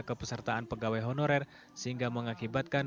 kepesertaan pegawai honorer sehingga mengakibatkan